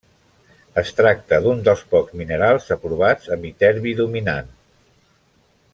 Es tracta d'un dels pocs minerals aprovats amb iterbi dominant.